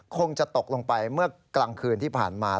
คงจะตกลงไปเมื่อกลางคืนที่ผ่านมา